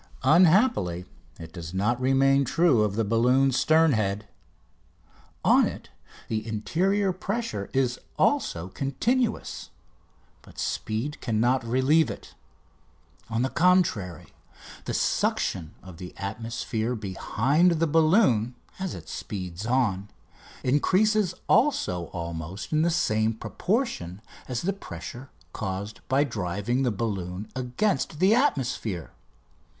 Unhappily, it does not remain true of the balloon's stern head. On it the interior pressure is also continuous, but speed cannot relieve it. On the contrary, the suction of the atmosphere behind the balloon, as it speeds on, increases also almost in the same proportion as the pressure caused by driving the balloon against the atmosphere.